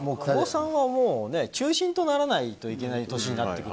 久保さんは中心とならないといけない年になってくる。